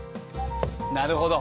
なるほど。